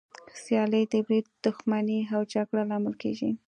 سیالي د بريد، دښمني او جګړو لامل کېږي.